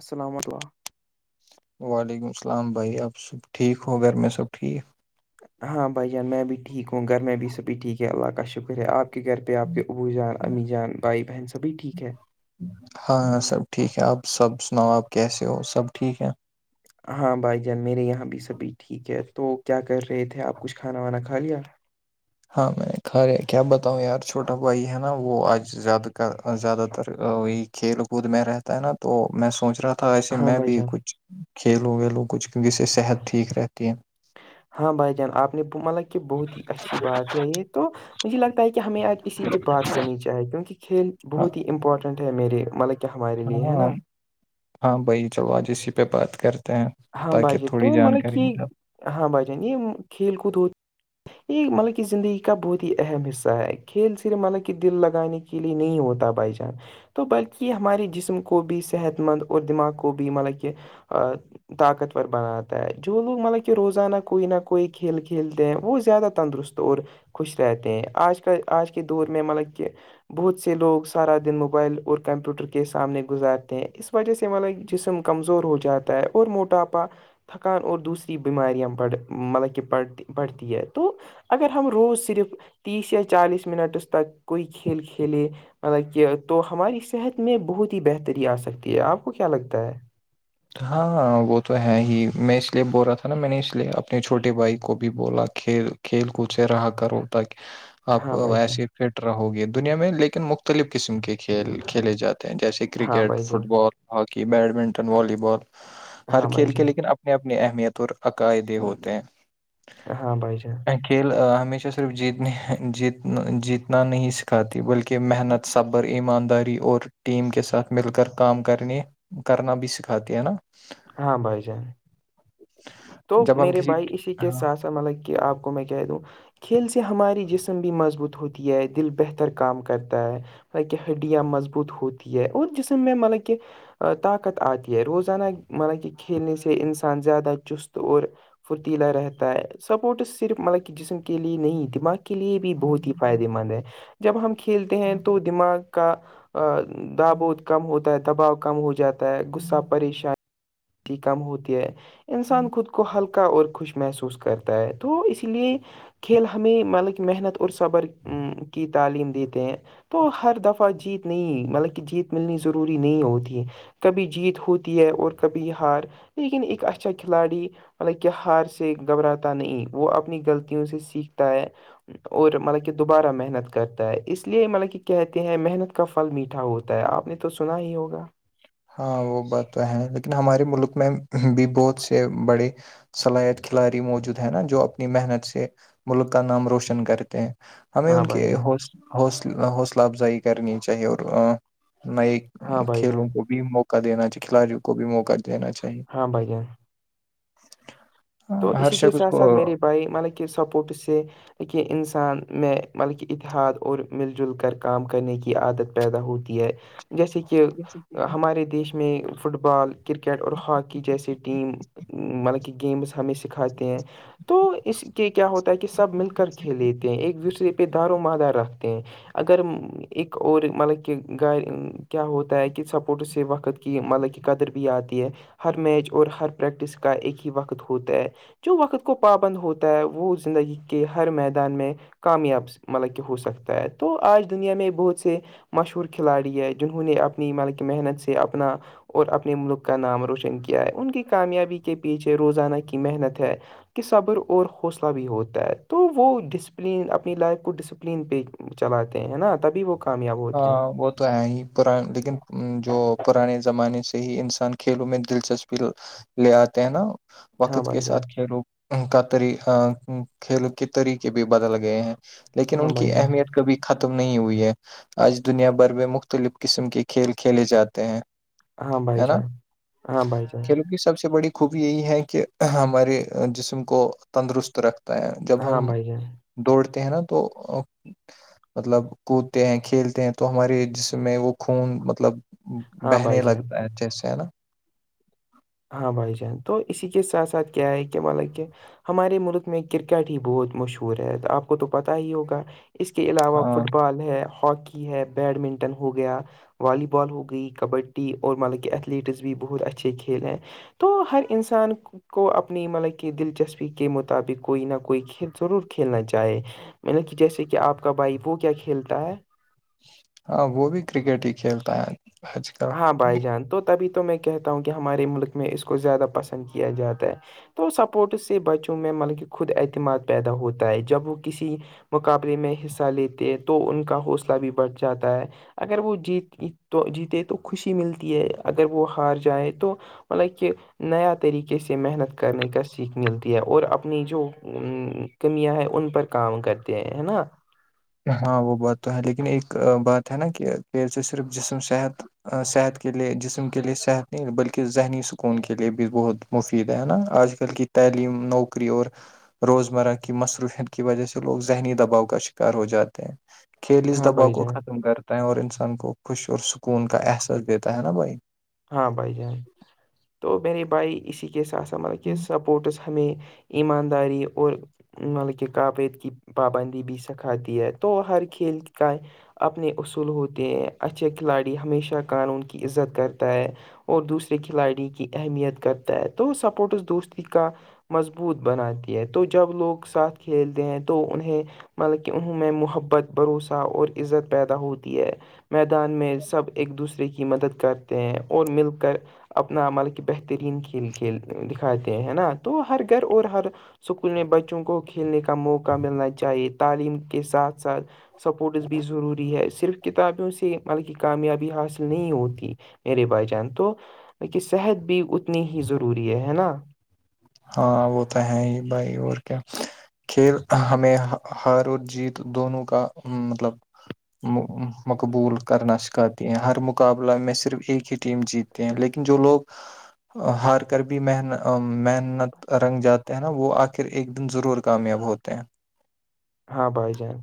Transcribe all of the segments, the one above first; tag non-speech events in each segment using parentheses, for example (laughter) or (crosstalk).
السلام اللہ وعلیکم السلام بھائی آپ سب ٹھیک ہو گھر میں سب ٹھیک ہاں بھائی جان میں بھی ٹھیک ہوں گھر میں بھی سبھی ٹھیک ہے اللہ کا شکر ہے آپ گھر پہ آپ کے ابو جان امی جان بھائی بہن سبھی ٹھیک ہے ہاں ہاں سب ٹھیک ہے آپ سب سناؤ آپ کیسے ہو سب ٹھیک ہے ہاں بھائی جان میرے یہاں بھی سبھی ٹھیک ہے تو کیا کر رہے تھے آپ کچھ کھانا وانا کھا لیا ہاں میں کھایا کیا بتاؤں یار چھوٹا بھائی ہے نا وہ آج زیادہ تر زیادہ تر وہی کھیل کود میں رہتا ہے نا تو میں سوچ رہا تھا تھا ایسے ہاں میں بھائی بھی جان کچھ کھیل وھیلوں کچھ کیونکی اسے صحت ٹھیک رہتی ہے ہاں بھائی جان آپ نے مطلب کہ بہت ہی اچھی بات کہی یہ تو مجھے لگتا ہے کہ ہمیں آج اسی پہ بات کرنی چاہیے کیونکہ کھیل ہاں بہت ہی امپورٹنٹ ہے میرے مطلب ہمارے لیے ہے ہاں نا ہاں بھائی چلو آج اسی پہ بات کرتے ہیں ہاں تاکہ بھائی جان تھوڑی تو منہ جانکاری کی مجھے ہاں بھائی جان یہ کھیل کود ہوتی یہ مطلب کہ زندگی کا بہت ہی اہم حصہ ہے کھیل صرف مطلب کہ دل لگانے کی کے لیے نہیں ہوتا بھائی جان تو بلکہ یہ ہمارے جسم کو بھی صحت مند اور دماغ کو بھی مطلب کہ طاقتور بناتا ہے جو لوگ مطلب کہ روزانہ کوئی نہ کوئی کھیل کھیلتے ہیں وہ زیادہ تندرست اور خوش رہتے ہیں آج کا آج کے دور میں مطلب کہ بہت سے لوگ سارا دن موبائل اور کمپیوٹر کے سامنے گزارتے ہیں اس وجہ سے ہمارا جسم کمزور ہو جاتا ہے اور موٹاپا تھکان اور دوسری بیماریاں بڑھ مطلب کے بدھ بڑھتی ہے تو اگر ہم روز صرف تیس یا چالیس منٹس تک کوئی کھیل کھیلے مطلب کہ تو ہماری صحت میں بہت ہی بہتری آ سکتی ہے آپ کو کیا لگتا ہے ہاں وہ تو ہے ہی میں اس لیے بول رہا تھا نا میں نے اس لیے اپنے چھوٹے بھائی کو بھی بولا کھیل کھیل کود سے رہا کر تا آپ ہاں بھائی جان ویسے فٹ رہو گی دنیا میں لیکن مختلف قسم کے کھیل کھیلے جاتے ہیں جیسے ہاں کرکٹ بھائی جان football hockey badminton volleyball ہر ہاں بھائی کھیل کے جان لیکن اب اپنے اپنی اہمیت اور عقائدے ہوتے ہیں ہاں بھائی جان کھیل ہمیشہ صرف جیتنے جیت جیتنا نہیں سکھاتی بلکہ محنت صبر ایمانداری اور ٹیم کے ساتھ مل کر کام کرنے کرنا بھی سکھا کھاتی ہیں نا ہاں بھائی جان تو جب ہم میرے کسی بھائی اسی کے ہاں ساتھ مطلب کہ آپ کو میں کہہ دوں کھیل سے ہماری جسم بھی مضبوط ہوتی ہے دل بہتر کام کرتا ہے تاکہ ہڈیاں مضبوط ہوتی ہے اور جسم میں مطلب کہ طاقت آتی ہے روزانہ مطلب کہ کھیلنے سے انسان زیادہ چست اور فھرتیلا رہتا ہے سپورٹ صرف مطلب جسم کے لیے نہیں دماغ کے لیے بھی بہت ہی فائدے مند ہے جب ہم کھیلتے ہیں تو دماغ کا دا بہت کم ہوتا ہے دباؤ کم ہو جاتا ہے غصہ پریشان کم ہوتی ہے انسان خود کو ہلکا کا اور خوش محسوس کرتا ہے تو اس لیے کھیل ہمیں مطلب کی محنت اور صبر کی تعلیم دیتے ہیں تو ہر دفعہ جیت نہیں مطلب کی جیت ملنی ضروری نہیں ہوتی کبھی جیت ہوتی ہے اور کبھی ہار لیکن ایک اچھا کھلاڑی مطلب کہ ہار سے گھبراتا نہیں وہ اپنی غلطوں سے سیکھتا ہے اور مطلب کہ دوبارہ محنت کرتا ہے اس لیے مطلب کی کہتے ہیں محنت کا پھل میٹھا ہوتا ہے تا آپ نے تو سنا ہی ہوگا ہاں وہ بات تو ہے لیکن ہمارے ملک میں بھی بہت سے بڑے صلاحیت کھلاڑ موجود ہے نا جو اپنی محنت سے ملک کا نام روشن کرتے ہیں ہمیں ہاں ان بھائی کی جان حوص حوصل حوصلہ افزائی کرنی چاہیے اور نئے ہاں بھائی جان کھیلوں کو بھی موقع دینا چا کھلاڑیوں کو بھی موقع دینا چاہیے ہاں بھائی جان تو ہاں ہر اسی کے شخص ساتھ ساتھ کو میرے بھائی مطلب کہ سپورٹ سے کہ انسان میں مطلب کی اتحاد اور مل جل کر کام کرنے کی عادت پیدا ہوتی ہے جیسے کی ہمارے دیش میں فٹ بال کرکٹ اور ہاکی جیس ٹیم مطلب کی گیمس ہمیں سکھاتے ہیں تو اس کے کیا ہوتا ہے کی سب مل کر کھیلے تے ہیں ایک دوسرے پے دارومدار رکھتے ہیں اگر ایک اور مطلب کی گائے کیا ہوتا ہے کی سپورٹس سے وقت کی مطلب کی قدر بھی آتی ہے ہر میچ اور ہر پریکٹس کا ایک ہی وقت ہو ہوتا ہے جو وقت کو پابند ہوتا ہے وہ زندگی کے ہر میدان میں کامیاب مطلب کہ ہو سکتا ہے تو آج دنیا میں بہت سے مشہور کھلاڑی ہے جنہوں نے اپنی مطلب کی محنت سے اپنا اور اپنے ملک کا نام روشن کیا ہے ان کی کامیابی کے پیچھے روزانہ کی محنت ہے کے صبر اور حوصلہ بھی ہوتا ہے تو وہ ڈسپلین اپنی لائف کو ڈسپلین پے چلاتے ہیں نا تبھی وہ کامیاب ہوتے ہیں ہاں وہ تو ہے ہی پران لیکن جو پرانے زمانے سے ہی انسان کھیلوں میں دلچسپی لے آتے ہیں نا ہاں وقت کے بھائی جان ساتھ کھیلو ان کا طریقہ کھیل کے طریقے بھی بدل گئے ہیں لیکن ہاں ان کی بھائی جان اہمیت کبھی ختم نہیں ہوئی ہے آج دنیا بھر میں مختلف قسم کے کھیل کھیلے جاتے ہیں ہاں بھائی ہے نا جان ہاں بھائی جان کھیل کی سب سے بڑی خوبی یہی ہیں کی ہمارے جسم کو تندرست رکھتا ہے جب ہاں ہم بھائی جان دوڑتے ہیں نا تو مطلب کود تے ہیں کھیلتے ہیں تو ہمارے جسم میں وہ خون مطلب ہاں بھائی بہنے جان لگتا ہے اچھے سے ہے نا ہاں بھائی جان تو اسی کے ساتھ ساتھ کیا ہے کہ مطلب کہ ہمارے ملک میں کرکٹ ہی بہت مشہور ہے تو آپ کو تو پتہ ہی ہوگا اس کے علاوہ ہاں فٹ بال ہے ہاکی ہے بیڈمنٹن ہو گیا والی بال ہو گئی کبڈی اور مطلب کی ایتھلیٹس بھی بہت اچھے کھیل ہیں تو ہر انسان کو کو اپنی مطلب کی دلچسپی کے مطابق کوئی نہ کوئی کھیل ضرور کھیلنا چاہے مطلب کی جیسے کہ آپ کا بھائی وہ کیا کھیلتا ہے ہاں وہ بھی کرکٹ ہی کھیلتا ہے آج کل ہاں بھائی جان تو تبھی تو میں کہتا ہوں کہ ہمارے ملک میں اس کو زیادہ پسند کیا جاتا ہے تو سپورٹس سے بچوں میں مطلب کی خود اعتماد پیدا ہوتا ہے جب وہ کسی مقابلے میں حصہ لیتے ہیں تو ان کا حوصلہ بھی بڑھ جاتا ہے اگر وہ جیت تو جیتے تو خوشی ملتی ہے اگر وہ ہار جائے تو مطلب کہ نیا طریقے سے محنت کرنے کا سیکھ ملتی ہے اور اپنی جو کمیاں ہے ان پر کام کرتے ہیں ہے نا ہاں وہ بات تو ہے لیکن ایک بات ہے نا کہ کھیل سے صرف جسم صحت صحت کے لیئے جسم کے لیئے صحت نہیں بلکہ ذہنی سکون کے لئے بھی بہت مفید ہے نا آج کل کی تعلیم نوکری اور روزمرہ کی مصروف کی وجہ سے لوگ ذہنی دباؤ کاش کار ہو جاتے ہیں کھیل اس ہاں دباؤ بھائی کو جان ختم کر ت اور انسان کو خوش اور سکون کا احساس دیتا ہے نا بھائی ہاں بھائی جان تو میرے بھائی اسی کےسا مطلب کہ سپورٹس ہمیں ایمانداری اور مطلب کہ قعابعت کی پابندی بھی سکھاتی ہے تو ہر کھیل کا اپنے اصول ہوتے ہیں اچھے کھلاڑی ہمیشہ قانون کی عزت کرت تا ہے اور دوسرے کھلاڑی کی اہمیت کرتا ہے تو سپورٹ اس دوستی کا مضبوط بناتی ہے تو جب لوگ ساتھ کھیلتے ہیں تو انہیں مطلب کہ انہوں میں محبت بھروسہ اور عزت پیدا ہوتی ہے میدان میں سب ایک دوسرے کی مدد کرتے ہیں اور مل کر اپنا مطلب کہ بہترین کھیل کھیل دکھاتے ہیں ہے نا تو ہر گھر اور ہر اسکول میں بچوں کو کھیلنے کا موقع ملنا چاہیے تعلیم کے ساتھ ساتھ سپورٹس بھی ضروری ہے صرف کتابوں سے بلکہ کامیابی حاصل نہیں ہوتی میرے بھائی جان تو کہ صحت بھی اتنی ہی ضروری ہے ہے نا ہاں وہ تو ہے ہی بھائی اور کیا کھیل ہمیں ہار اور جیت دونوں کا مطلب مقبول کرنا سکھاتی ہیں ہر مقابلہ میں صرف ایک ہی ٹیم جیت تی ہیں لیکن جو لوگ ہار کر بھی من محن نت رنگ جاتے ہیں نا وہ آخر ایک دن ضرور کامیاب ہوتے ہیں ہاں بھائی جان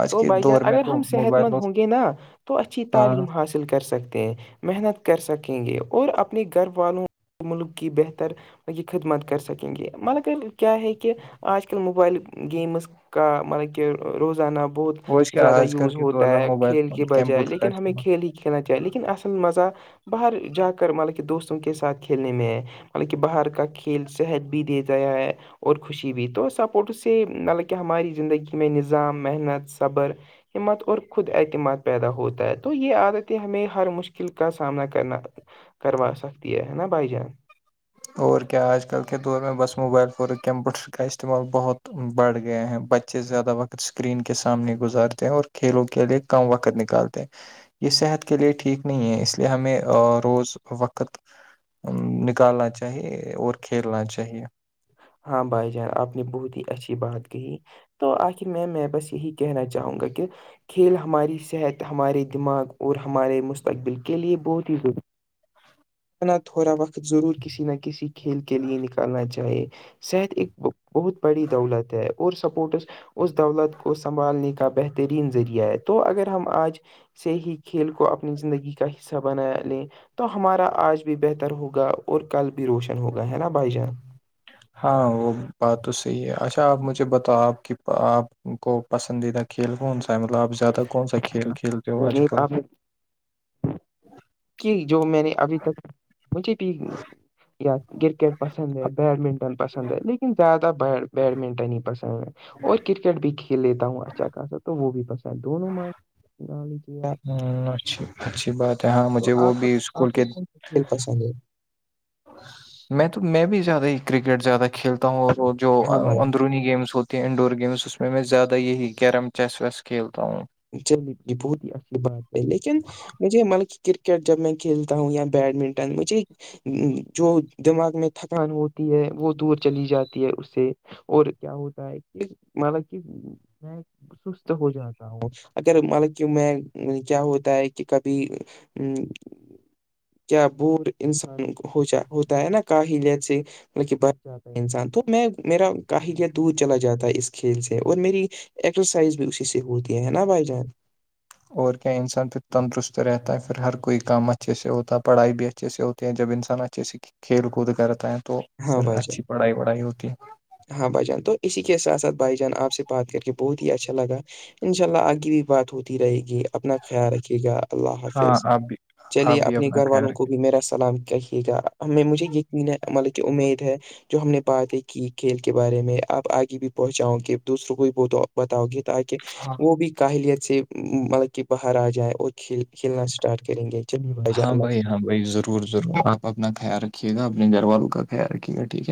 آج تو کے بھائی جان دور میں اگر تو ہم صحت موبائل مند اور ہوں گے نا تو اچھی ہاں تعلیم حاصل کر سکتے ہیں محنت کر سکیں گے اور اپنے گھر والوں ملک کی بہتر یہ خدمت کر سکیں گے مگر کے کیا ہے کہ آج کل موبائل گیمز کا مطلب کہ روزانہ بہت وہ کیا زیادہ آج کل یوز کے ہوتا دور میں ہے موبائل کھیل کے فون بجائے کمپیوٹر کا لیکن ہمیں استعمال کھیل ہی کھیلنا چاہیے لیکن اصل مزہ باہر جا کر مطلب کہ دوستوں کے ساتھ کھیلنے میں مطلب کہ باہر کا کھیل صحت بھی دے گیا ہے اور خوشی بھی تو سپورٹس سے مطلب کہ ہماری زندگی میں نظام محنت صبر ہمت اور خود اعتماد پیدا ہوتا ہے تو یہ عادتیں ہمیں ہر مشکل کا سامنا کرنا کروا سکتی ہے ہے نا بھائی جان اور کیا آج کل کے دور میں بس موبائل فون اور کمپیوٹر کا استعمال بہت بڑھ گیا ہیں بچ ے سے زیادہ وقت اسکرین کے سامنے گزارتے ہیں اور کھیلوں کے لیے کم وقت نکالتے ہیں یہ صحت کے لیے ٹھیک نہیں ہے اس لیے ہمیں روز وقت اں نکالنا چاہیے ی اور کھیلنا چاہیے ہاں بھائی جان آپ نے بہت ہی اچھی بات کہی تو آخر میں میں بس یہی کہنا چاہوں گا کہ کھیل ہماری صحت ہمارے دماغ اور ہمارے مستقبل کے لیے بہت ہی ضروری نہ تھوڑا وقت ضرور کسی نہ کسی کھیل کے لیے نکالنا چاہیے صحت ایک بہ بہت بڑی دولت ہے اور سپورٹس اس دولت کو سنبھالنے کا بہتر ترین ذریعہ ہے تو اگر ہم آج سے ہی کھیل کو اپنی زندگی کا حصہ بنا لے تو ہمارا آج بھی بہتر ہوگا اور کل بھی روشن ہوگا ہے نا بھائی جان ہاں وہ بات تو صحیح ہے اچھا آپ مجھے بتاؤ آپ کی آپ کو پسندیدہ کھیل کون سا مطلب زیادہ کون سا کھیل کھیلتے ہو آج یعنی کل آپ کہ جو میں نے ابھی تک مجھے بھی یاد کرکٹ پسند ہے بیڈمنٹن پسند ہے لیکن زیادہ بیڈمنٹن ہی پسند ہے اور کرکٹ بھی کھیل لیتا ہوں اچھا خاصا تو وہ بھی پسند دونوں مائ لیجے ام اچھا اچھی بات ہے ہاں مجھے وہ آپ بھی اسکول آپ کو کے (unintelligible) میں تو میں بھی زیادہ ہی کرکٹ زیادہ کھیلتا ہوں اور وہ جو ہاں بھائی اندرونی گیمس ہوتی کہ انڈور گیمز اس میں زیادہ یہی کیرم چیس ویس کھیلتا ہوں چلیے یہ بہت ہی اچھی بات ہے لیکن مجھے مانا کے کہ کرکٹ جب میں کھیلتا ہوں یا بیڈمنٹن مجھے اں جو دماغ میں تھکان ہوتی ہے وہ دور چلی جاتی ہے اس سے اور کیا ہوتا ہے کہ مطلب کہ میں سست ہو جاتا اگر مانا کی میں کیا ہوتا ہے کہ کبھی ں کیا بور انسان ہوجا ہوتا ہے نا کاہل اسے مطلب انسان تو میں میرا کاہلیت دور چلا جاتا ہے اس کھیل سے اور میری ایکسرسائز بھی اسی سے ہوتی ہے نا بھائی جان اور کیا انسان پھر تندرست رہتا ہے پھر ہر کوئی کام اچھے سے ہوتا ہے پڑھائی بھی اچھے سے ہوتی جب انسان اچھے سے ک کھیل کود کرتا ہے تو ہاں پھر بھائی جان اچھی پڑھائی وڑھائی ہوتی ہے ہاں بھائی جان تو اسی کے ساتھ ساتھ بھائی جان آپ سے بات کر کے بہت ہی اچھا لگا انشاء اللہ آگے بھی بات ہوتی رہے گی اپنا خیال رکھیے گا اللہ ہاں حافظ آپ بھی آپ چلیے بھی اپنے اپنا گھر خیال والوں کو رکھیں بھی میرا سلام کہی ہ ہمیں مجھے یقین ہے مالک کہ امید ہے جو ہم نے باتیں کیں کھیل کے بارے میں آپ آگے بھی پہنچاؤ گے دوسروں کو ب بتاؤ گے تاکہ ہاں وہ بھی کاہلیت سے مطلب کہ باہر آ جائے اور کھیل کھیلنا اسٹارٹ کریں گے چلیے جان ہاں اللہ بھائی حافظ ہاں بھائی ضرور ضرور آپ اپنا خیال رکھیے گا اپنے گھر والوں کا خیال رکھیے گا ٹھیک ہے